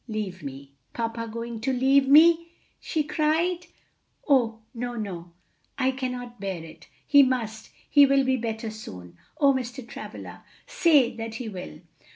"Leave me! papa going to leave me!" she cried. "Oh, no, no! I cannot bear it! He must, he will be better soon! O Mr. Travilla, say that he will!"